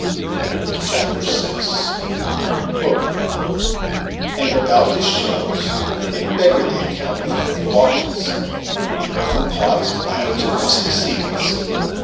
CHAPTER VI "And about his shelves, A beggarly account of empty boxes, Green earthen pots, bladders, and musty seeds.